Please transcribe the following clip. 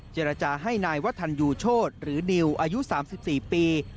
เจรจาให้นายวัฒนยูโชธหรือนิวอายุ๓๔ปี